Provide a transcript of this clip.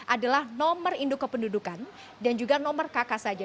adalah nomor induk kependudukan dan juga nomor kk saja